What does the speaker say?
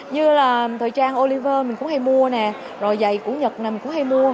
như là thời trang oliver mình cũng hay mua nè rồi dày của nhật mình cũng hay mua